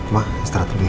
ma istirahat dulu ya